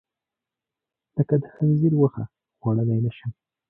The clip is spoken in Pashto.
لکه د خنځیر غوښه، خوړلی نه شم.